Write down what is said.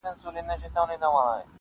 • یا د دوی په څېر د زور، عقل څښتن وي -